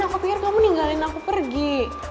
aku pikir kamu meninggalin aku pergi